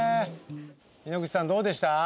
井ノ口さんどうでした？